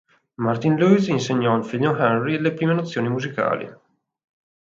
Martin Louis insegnò al figlio Henry le prime nozioni musicali.